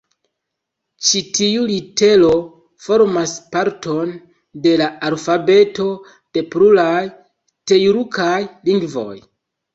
Ĉi tiu litero formas parton de la alfabeto de pluraj tjurkaj lingvoj.